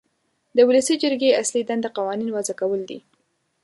د ولسي جرګې اصلي دنده قوانین وضع کول دي.